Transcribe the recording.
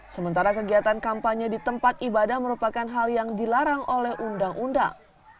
sementara kegiatan kampanye di tempat ibadah merupakan hal yang dilarang oleh undang undang